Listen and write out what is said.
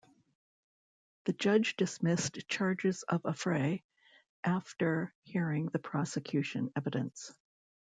The judge dismissed charges of affray after hearing the prosecution evidence.